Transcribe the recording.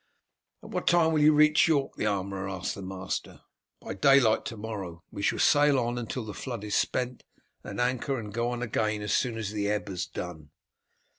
"At what time will you reach York?" the armourer asked the master. "By daylight to morrow. We shall sail on until the flood is spent, and then anchor and go on again as soon as the ebb has done."